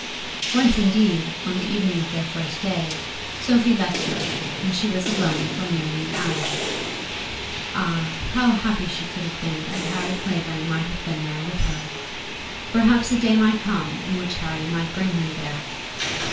Once indeed, on the evening of their first day, Sophie left her, and she was alone for nearly an hour. Ah, how happy could she have been if Harry Clavering might have been there with her. Perhaps a day might come in which Harry might bring her there.